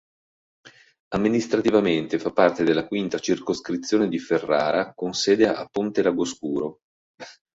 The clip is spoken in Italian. Amministrativamente fa parte della V Circoscrizione di Ferrara con sede a Pontelagoscuro.